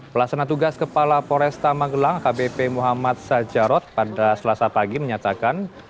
pelaksana tugas kepala poresta magelang kbp muhammad sajarot pada selasa pagi menyatakan